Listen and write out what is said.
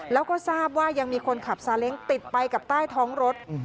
แล้วก็ทราบว่ายังมีคนขับซาเล้งติดไปกับใต้ท้องรถ